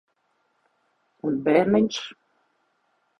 Un bērniņš?